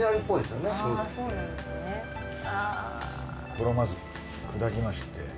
これをまず砕きまして。